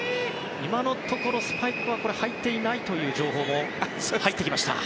今のところスパイクは履いていないという情報も入ってきました。